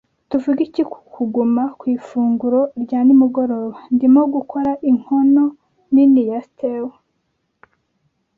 Tuvuge iki ku kuguma ku ifunguro rya nimugoroba? Ndimo gukora inkono nini ya stew.